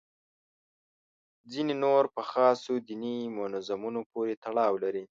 ځینې نور په خاصو دیني منظومو پورې تړاو لري.